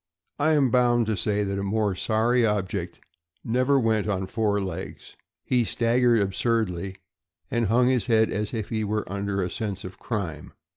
I am bound to say that a more sorry object never went on four legs. He staggered absurdly, and hung his head as if he were under a sense of crime.